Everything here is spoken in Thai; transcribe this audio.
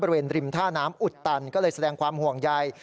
บริเวณริมท่าน้ำอุดตันก็เลยแสดงความห่วงใย